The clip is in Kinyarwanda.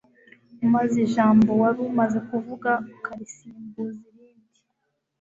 maze ijambo wari umaze kuvuga ukarisimbuza irindi